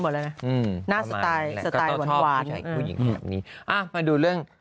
พึ่ง๖น่าจะ๔เดือน